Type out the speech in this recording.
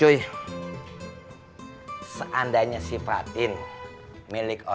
yaudah kita pergi dulu